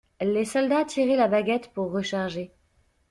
Les soldats tiraient la baguette pour recharger.